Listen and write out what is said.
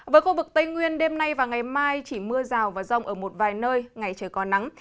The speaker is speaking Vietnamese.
với khu vực tây nguyên đêm nay và ngày mai chỉ mưa rào và rông ở một vài nơi ngày trời có nắng